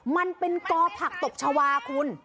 มันเป็นกอผักตบชาวาคุณ